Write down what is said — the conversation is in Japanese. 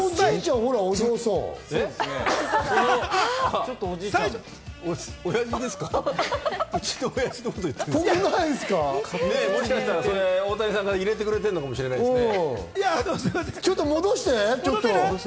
もしかしたら大谷さんが入れてくれてるのかもしれないですね。